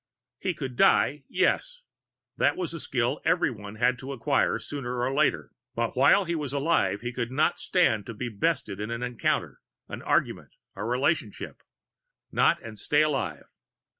He could die, yes that was a skill everyone had to acquire, sooner or later. But while he was alive, he could not stand to be bested in an encounter, an argument, a relationship not and stay alive.